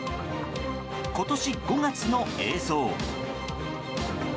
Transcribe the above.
今年５月の映像。